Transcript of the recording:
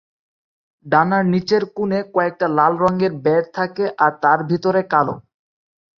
ডানার নিচের কোণে কয়েকটা লাল রঙের বেড় থাকে আর তার ভেতরে কালো।